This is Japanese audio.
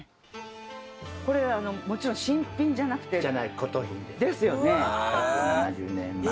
これもちろん新品じゃなくて。じゃない。ですよね。